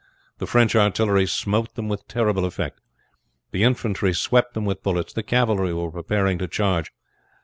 The French artillery smote them with terrible effect; the infantry swept them with bullets; the cavalry were preparing to charge.